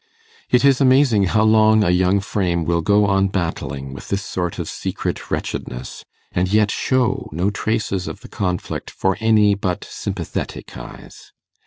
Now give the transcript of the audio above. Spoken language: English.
It is amazing how long a young frame will go on battling with this sort of secret wretchedness, and yet show no traces of the conflict for any but sympathetic eyes.